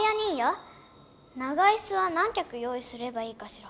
長いすは何きゃく用いすればいいかしら？